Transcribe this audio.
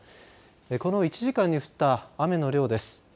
この１時間に降った雨の量です。